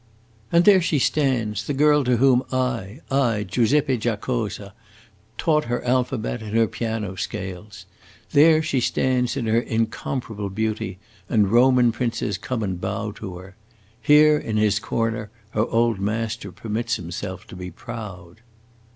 "And there she stands, the girl to whom I I, Giuseppe Giacosa taught her alphabet and her piano scales; there she stands in her incomparable beauty, and Roman princes come and bow to her. Here, in his corner, her old master permits himself to be proud."